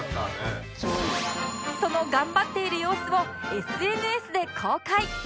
その頑張っている様子を ＳＮＳ で公開